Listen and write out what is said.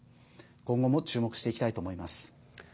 今後も注目していきたいと思います。